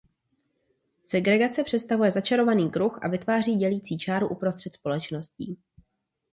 Segregace představuje začarovaný kruh a vytváří dělicí čáru uprostřed společností.